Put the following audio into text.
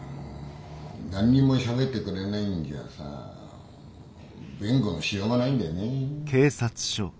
何にもしゃべってくれないんじゃあさ弁護のしようがないんだよね。